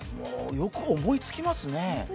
よく思いつきますね。